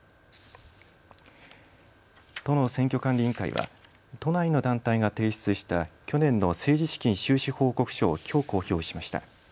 都の選挙管理委員会は都内の団体が提出した去年の政治資金収支報告書をきょう、公表しました。